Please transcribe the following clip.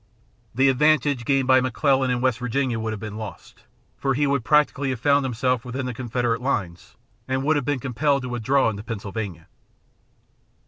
The advantage gained by McClellan in West Virginia would have been lost, for he would practically have found himself within the Confederate lines and would have been compelled to withdraw into Pennsylvania.